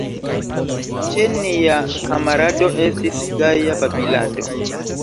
Ĉe nia kamarado Estis gaja babilado!